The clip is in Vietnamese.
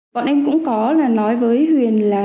bọn em cũng có nói với huyền là